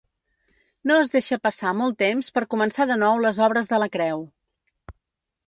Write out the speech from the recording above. No es deixa passar molt temps per començar de nou les obres de la creu.